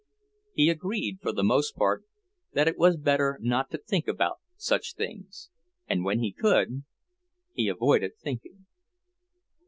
He agreed, for the most part, that it was better not to think about such things, and when he could he avoided thinking.